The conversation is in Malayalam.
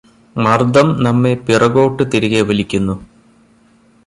മർദ്ദം നമ്മെ പിറകോട്ട് തിരികെ വലിക്കുന്നു